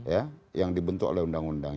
ya yang dibentuk oleh undang undang